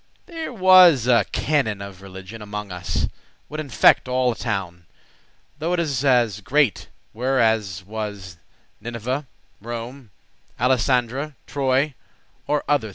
There was a canon of religioun Amonges us, would infect* all a town, *deceive Though it as great were as was Nineveh, Rome, Alisandre,* Troy, or other three.